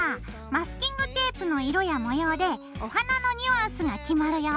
マスキングテープの色や模様でお花のニュアンスが決まるよ。